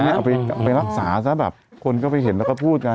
เอาไปรักษาซะแบบคนก็ไปเห็นแล้วก็พูดกัน